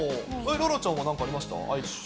楽々ちゃんは何かありましたか？